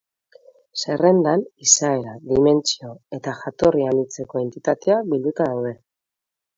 Zerrendan izaera, dimentsio eta jatorri anitzeko entitateak bilduta daude.